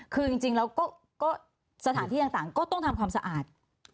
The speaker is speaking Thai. คือจริงแล้วก็สถานที่ต่างก็ต้องทำความสะอาด